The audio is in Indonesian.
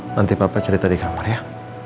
nanti papa cari tadi kamar ya